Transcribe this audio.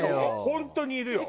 本当にいるよ。